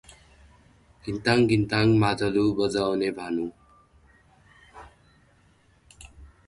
घिन्ताङ् घिन्ताङ् मादलु, बजाउने भानु ।